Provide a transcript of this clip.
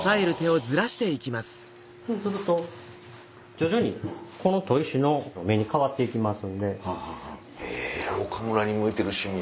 そうすると徐々にこの砥石の目に変わって行きます。